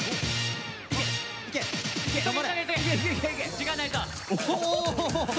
時間ないぞ。